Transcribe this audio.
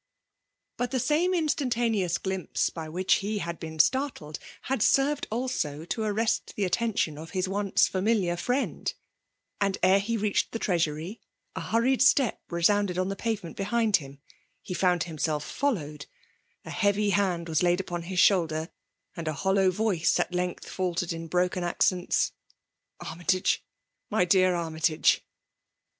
But the same instantaneous glimpse by which he had been startled, had served also to arrest the attention of his once^famiKar friend ; and ere he reached the Treasury, a hurried step resounded on the pavement behind him, — he found himself followed ^a heavy hand was laid upon his shoulder — and a hoHow voice at length faltered in broken accents —Army FEJdALE DOMINATU)N* 169 t^ge — xny dear Annytage